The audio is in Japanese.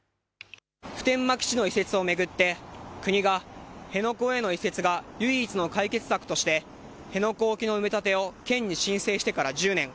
普天間基地の移設を巡って、国が辺野古への移設が唯一の解決策として、辺野古沖の埋め立てを県に申請してから１０年。